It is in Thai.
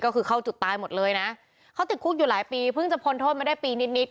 ก็คือเข้าจุดตายหมดเลยนะเขาติดคุกอยู่หลายปีเพิ่งจะพ้นโทษมาได้ปีนิดนิด